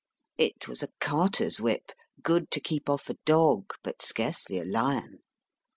It was a carter s whip, good to keep off a dog, but scarcely a lion.